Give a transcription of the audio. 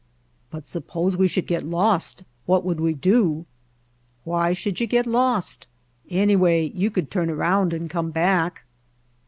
"But suppose we should get lost, what would we do?" "Why should you get lost? Anyway, you could turn around and come back."